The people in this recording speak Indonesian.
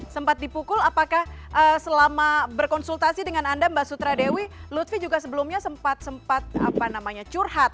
sempat dipukul apakah selama berkonsultasi dengan anda mbak sutradewi lutfi juga sebelumnya sempat sempat curhat